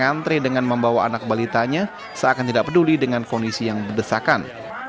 mengantre dengan membawa anak balitanya seakan tidak peduli dengan kondisi yang berdesakan